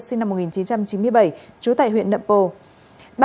sinh năm một nghìn chín trăm chín mươi bảy trú tại huyện nậm pồ